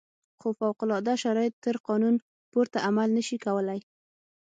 خو فوق العاده شرایط تر قانون پورته عمل نه شي کولای.